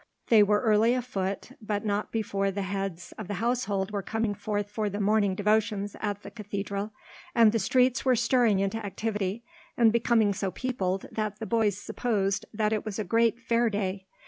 They were early afoot, but not before the heads of the household were coming forth for the morning devotions at the cathedral; and the streets were stirring into activity, and becoming so peopled that the boys supposed that it was a great fair day.